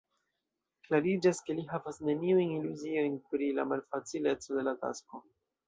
Klariĝas, ke li havas neniujn iluziojn pri la malfacileco de la tasko.